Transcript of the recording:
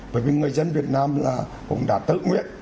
bởi vì người dân việt nam cũng đã tự nguyện